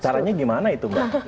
caranya gimana itu mbak